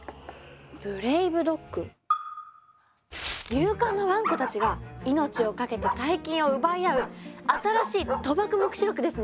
勇敢なワンコたちが命をかけて大金を奪い合う新しい「賭博黙示録」ですね